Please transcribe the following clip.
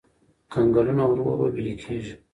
کنګلونه ورو ورو ويلي کېږي.